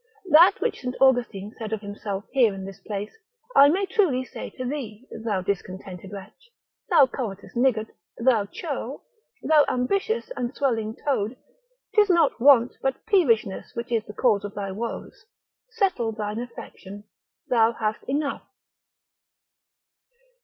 That which St. Austin said of himself here in this place, I may truly say to thee, thou discontented wretch, thou covetous niggard, thou churl, thou ambitious and swelling toad, 'tis not want but peevishness which is the cause of thy woes; settle thine affection, thou hast enough.